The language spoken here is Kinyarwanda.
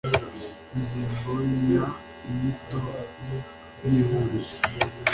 Ingingo ya Inyito y Ihuriro